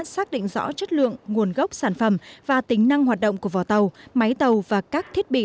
xác định rõ chất lượng nguồn gốc sản phẩm và tính năng hoạt động của vò tàu máy tàu và các thiết bị